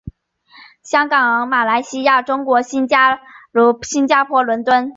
香港马来西亚中国新加坡伦敦